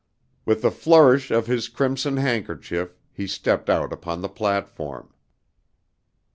With a flourish of his crimson handkerchief he stepped out upon the platform.